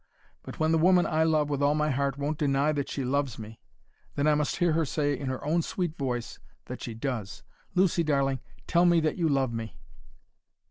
But when the woman I love with all my heart won't deny that she loves me, then I must hear her say in her own sweet voice that she does. Lucy, darling, tell me that you love me!"